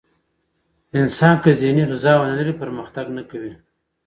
انسان که ذهني غذا ونه لري، پرمختګ نه کوي.